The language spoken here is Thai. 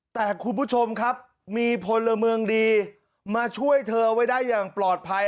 แต่คุณผู้ชมครับมีพลเมืองดีมาช่วยเธอไว้ได้อย่างปลอดภัย